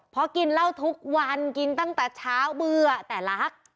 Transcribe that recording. เพราะกินเหล้าทุกวันกินตั้งแต่เช้าเบื่อแต่รัก